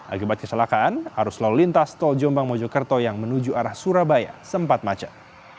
akibat kecelakaan arus lalu lintas tol jombang mojokerto yang menuju arah surabaya sempat macet